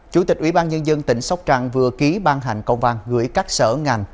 chủ tịch ủy ban nhân dân tỉnh sóc trăng vừa ký ban hành công an gửi các sở ngành